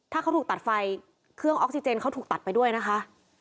ถ้าเขาถูกตัดไฟเครื่องออกซิเจนเขาถูกตัดไปด้วยนะคะ